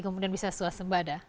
kemudian bisa suasembada